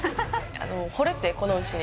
ほれてこの牛に。